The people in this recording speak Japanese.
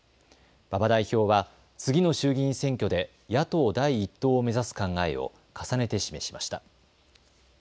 馬場代表は次の衆議院選挙で野党第一党を目指す考えを重ねて示しました。